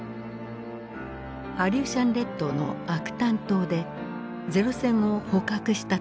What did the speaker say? アリューシャン列島のアクタン島で零戦を捕獲したというのである。